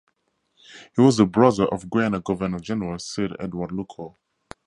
He was the brother of Guyana Governor-General Sir Edward Luckhoo.